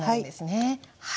はい。